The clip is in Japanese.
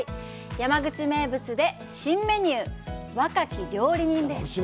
山口名物で新メニュー、若き料理人です。